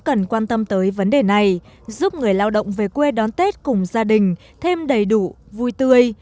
cần quan tâm tới vấn đề này giúp người lao động về quê đón tết cùng gia đình thêm đầy đủ vui tươi